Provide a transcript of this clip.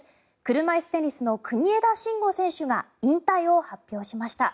車いすテニスの国枝慎吾選手が引退を発表しました。